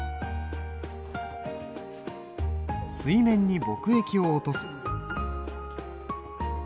水面に墨液を落とす。